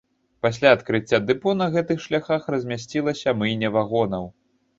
Пасля адкрыцця дэпо на гэтых шляхах размясцілася мыйня вагонаў.